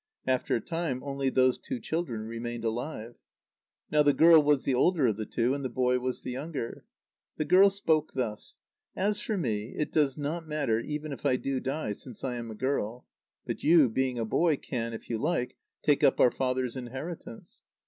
After a time, only those two children remained alive. Now the girl was the older of the two, and the boy was the younger. The girl spoke thus: "As for me, it does not matter even if I do die, since I am a girl. But you, being a boy, can, if you like, take up our father's inheritance.